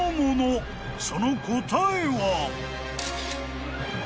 ［その答えは？］